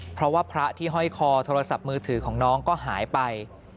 เพราะว่าพระที่ห้อยคอโทรศัพท์มือถือของน้องก็หายไป